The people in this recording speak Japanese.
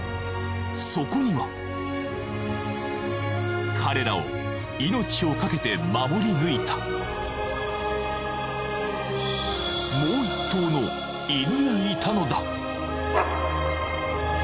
そこには彼らを命をかけて守り抜いたがいたのだ